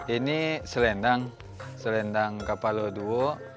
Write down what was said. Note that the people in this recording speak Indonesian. ini selendang selendang kapalo duo